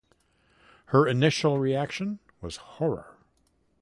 Her initial reaction was horror.